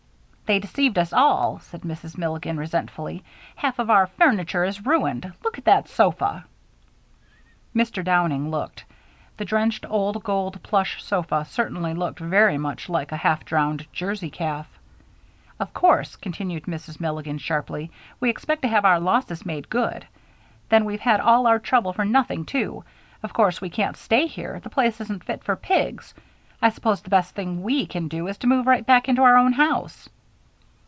"They deceived us all," said Mrs. Milligan, resentfully. "Half of our furniture is ruined. Look at that sofa!" Mr. Downing looked. The drenched old gold plush sofa certainly looked very much like a half drowned Jersey calf. "Of course," continued Mrs. Milligan, sharply, "we expect to have our losses made good. Then we've had all our trouble for nothing, too. Of course we can't stay here the place isn't fit for pigs. I suppose the best thing we can do is to move right back into our own house."